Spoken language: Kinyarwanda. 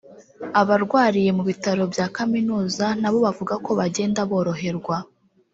Abarwariye mu bitaro bya kaminuza na bo bavuga ko bagenda boroherwa